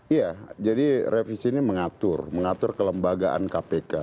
iya jadi revisi ini mengatur mengatur kelembagaan kpk